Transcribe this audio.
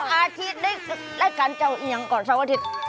เช้าอาทิตย์และการเจ้าอียียงก่อนเช้าอาทิตย์